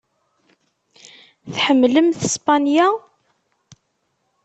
Tḥemmlemt Spanya?